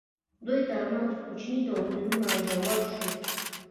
دوی ترمنځ کوچني توپیرونه ژور شول.